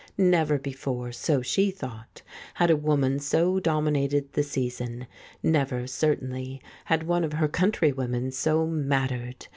Never before, so she thought, had a woman so dominated the season ; never, certainly, had one of her countrywomen so "mattered."